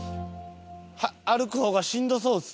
歩く方がしんどそうですね？